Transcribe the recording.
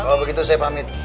kalau begitu saya pamit